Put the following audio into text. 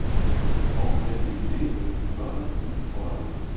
Auch Kreativität wird gefördert und gefordert.